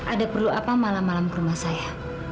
ada perlu apa malam malam ke rumah saya